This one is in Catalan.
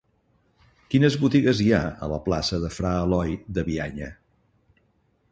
Quines botigues hi ha a la plaça de Fra Eloi de Bianya?